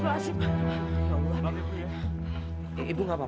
ya allah ibu tidak apa apa